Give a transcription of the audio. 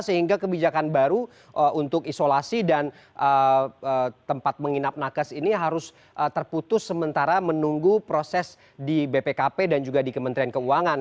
sehingga kebijakan baru untuk isolasi dan tempat menginap nakes ini harus terputus sementara menunggu proses di bpkp dan juga di kementerian keuangan